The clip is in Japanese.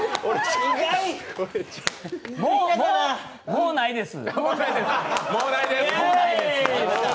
もうないです。